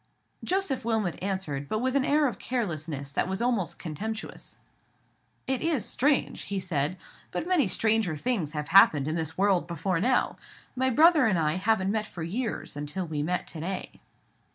Joseph Wilmot answered with an air of carelessness that was almost contemptuous: "It is strange," he said; "but many stranger things have happened in this world before now. My brother and I haven't met for years until we met to day."